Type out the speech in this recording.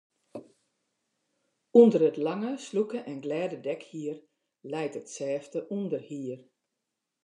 Under it lange, slûke en glêde dekhier leit it sêfte ûnderhier.